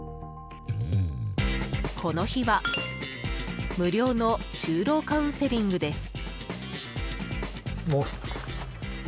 この日は無料の就労カウンセリングです。